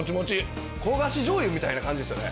焦がしじょうゆみたいな感じですよね。